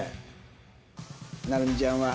成美ちゃんは？